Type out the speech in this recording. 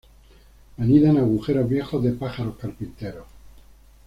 Anida en agujeros viejos de pájaros carpinteros.